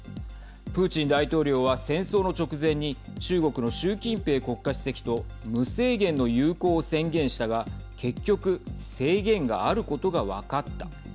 プーチン大統領は、戦争の直前に中国の習近平国家主席と無制限の友好を宣言したが結局制限があることが分かった。